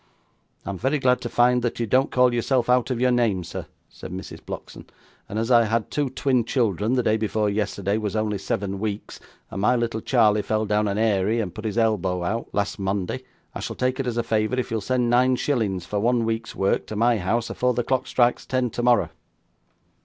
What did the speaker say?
'I'm very glad to find that you don't call yourself out of your name, sir,' said Mrs. Blockson; 'and as I had two twin children the day before yesterday was only seven weeks, and my little Charley fell down a airy and put his elber out, last Monday, I shall take it as a favour if you'll send nine shillings, for one week's work, to my house, afore the clock strikes ten tomorrow.